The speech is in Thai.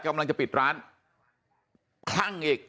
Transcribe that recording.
กำลังจะปิดร้านคลั่งอีก